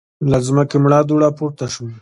له ځمکې مړه دوړه پورته شوه.